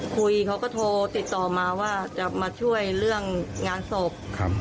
คุยเขาก็โทรติดต่อมาว่าจะมาช่วยเรื่องงานศพ